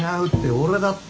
俺だって。